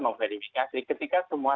mau verifikasi ketika semua